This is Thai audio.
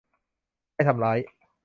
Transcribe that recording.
ไม่ทำร้าย